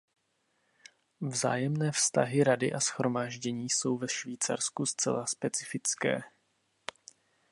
Vzájemné vztahy rady a shromáždění jsou ve Švýcarsku zcela specifické.